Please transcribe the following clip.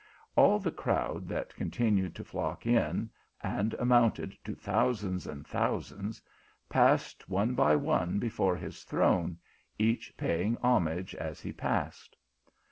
All the crowd that continued to flock in, and amounted to thousands and thousands, passed one by one before his throne, each paying homage as he passed.